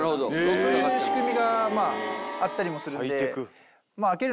そういう仕組みがまああったりもするんで。